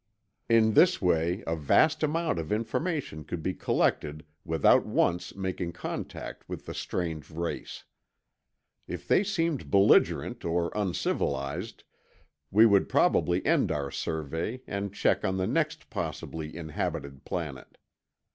In this way, a vast amount of information could be collected without once making contact with the strange race. If they seemed belligerent or uncivilized, we would probably end our survey and check on the next possibly inhabited planet.